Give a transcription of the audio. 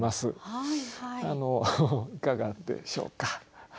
あのいかがでしょうか？